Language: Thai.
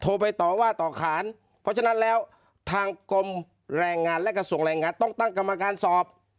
ไปต่อว่าต่อขานเพราะฉะนั้นแล้วทางกรมแรงงานและกระทรวงแรงงานต้องตั้งกรรมการสอบ